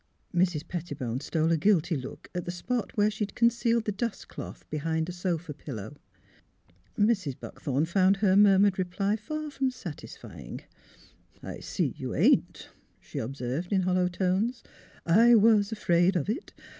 " Mrs. Pettibone stole a guilty look at the spot where she had concealed the dustcloth behind a sofa pillow. Mrs. Blackthorn found her mur mured reply far from satisfying, " I see you ain't," she observed, inhollowtones. *' I was afraid of it.